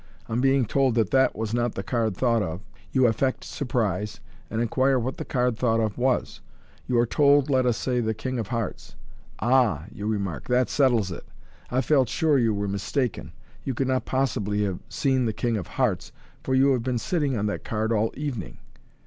On being told that that was not the card thought of, you affect surprise, and inquire what the card thought of was. You are told, let us say, the king of hearts. * Ah," you remark, " that settles it j I felt sure you were mis taken. You could not possibly have seen the king of hearts, for you have been sitting on that card all the evening.